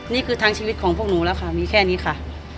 นี่คือทางชีวิตของพวกหนูแล้วค่ะมีแค่นี้ค่ะ